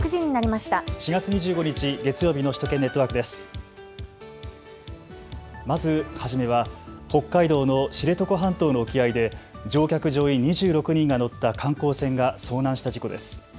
まず初めは北海道の知床半島の沖合で乗客・乗員２６人が乗った観光船が遭難した事故です。